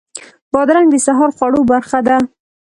بادرنګ د سهار خوړو برخه ده.